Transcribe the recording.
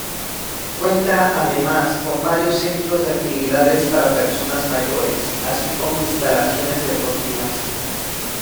Cuenta además con varios centros de actividades para personas mayores, así como instalaciones deportivas.